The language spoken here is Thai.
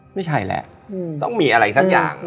ไม่ใช่แหละต้องมีอะไรสักอย่าง